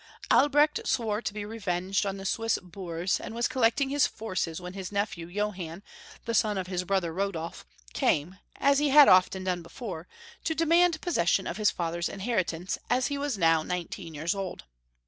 Albrecht swore to be revenged on the Swiss boors, and was collecting his forces when his nephew, Johann, the son of his brother Rodolf, came, as he had often done before, to demand pos session of his father's inheritance, as he was now 4 nineteen years old.